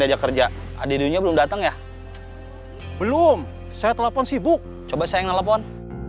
diajak kerja adiknya belum datang ya belum saya telepon sibuk coba saya nelfon